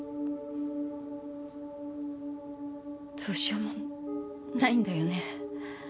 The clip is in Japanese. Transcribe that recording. どうしようもないんだよね。